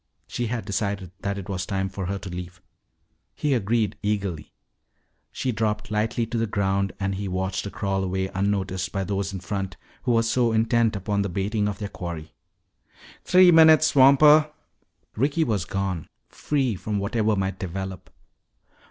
She had decided that it was time for her to leave. He agreed eagerly. She dropped lightly to the ground and he watched her crawl away unnoticed by those in front who were so intent upon the baiting of their quarry. "Three minutes, swamper!" Ricky was gone, free from whatever might develop.